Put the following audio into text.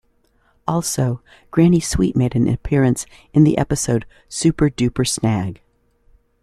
Also, Granny Sweet made an appearance in the episode Super Duper Snag.